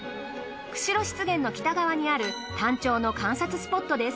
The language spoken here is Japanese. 釧路湿原の北側にあるタンチョウの観察スポットです。